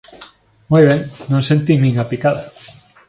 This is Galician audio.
Moi ben, non sentín nin a picada.